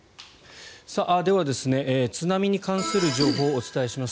では、津波に関する情報をお伝えします。